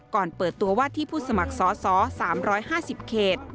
ก่อนเปิดตัวว่าที่ผู้สมัครสอสอ๓๕๐เขต